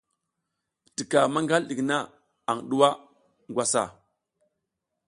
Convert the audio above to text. Tika maƞgal ɗik na aƞ ɗuwa ngwas hana.